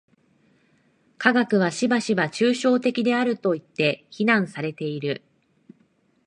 科学はしばしば抽象的であるといって非難されている。